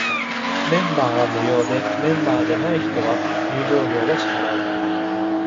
メンバーは無料で、メンバーでない人は入場料を支払う。